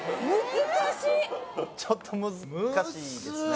ちょっと難しいですね